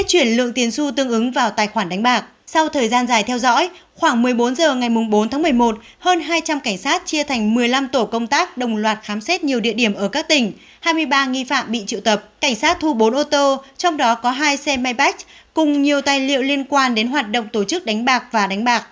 cảnh sát thu bốn ô tô trong đó có hai xe maybach cùng nhiều tài liệu liên quan đến hoạt động tổ chức đánh bạc và đánh bạc